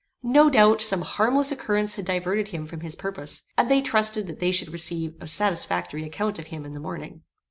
No doubt, some harmless occurrence had diverted him from his purpose; and they trusted that they should receive a satisfactory account of him in the morning.